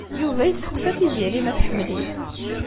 Yuba yesseqsa Tiziri ma tḥemmel-it.